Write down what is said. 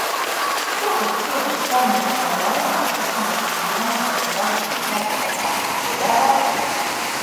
Ko tad krietns saimnieks vai normāla ekonomiski domājoša valdība šādos apstākļos piedāvātu?